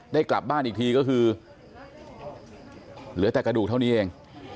ได้กลับบ้านอีกทีก็คือเหลือแต่กระดูกเท่านี้เอง